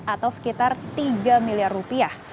atau sekitar tiga miliar rupiah